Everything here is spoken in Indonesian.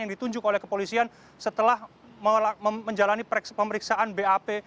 yang ditunjuk oleh kepolisian setelah menjalani pemeriksaan bap